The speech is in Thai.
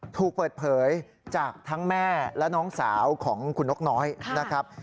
ถูกเปิดเผยจากทั้งแม่และน้องสาวของคุณนกน้อยนะครับ